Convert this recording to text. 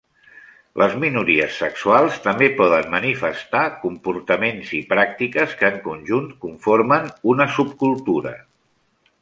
Les minories sexuals també poden manifestar comportaments i pràctiques que en conjunt conformen una subcultura.